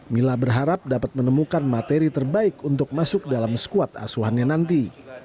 mila berharap dapat menemukan materi terbaik untuk masuk dalam skuad asuhannya nanti